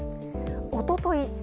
おととい